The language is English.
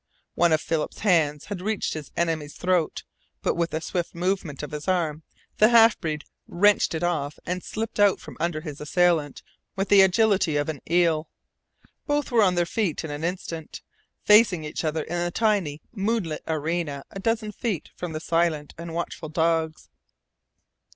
One of Philip's hands had reached his enemy's throat, but with a swift movement of his arm the half breed wrenched it off and slipped out from under his assailant with the agility of an eel. Both were on their feet in an instant, facing each other in the tiny moonlit arena a dozen feet from the silent and watchful dogs.